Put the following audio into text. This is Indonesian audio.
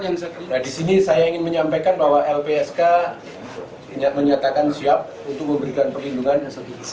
nah disini saya ingin menyampaikan bahwa lpsk menyatakan siap untuk memberikan perlindungan